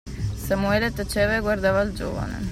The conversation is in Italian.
Samuele taceva e guardava il giovane.